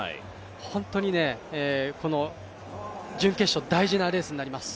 本当に準決勝、大事なレースになります。